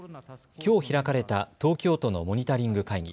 きょう開かれた東京都のモニタリング会議。